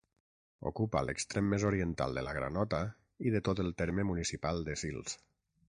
Ocupa l'extrem més oriental de la Granota i de tot el terme municipal de Sils.